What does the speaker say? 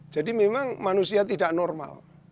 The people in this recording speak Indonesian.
jadi memang manusia tidak normal